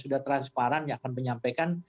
sudah transparan yang akan menyampaikan